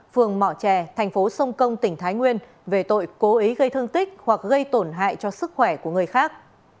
phường mò trè thành phố sông công tỉnh thái nguyên về tội cố ý gây thương tích hoặc gây tổn hại cho sức khỏe của người khác